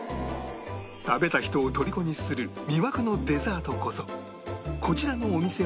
食べた人をとりこにする魅惑のデザートこそこちらのお店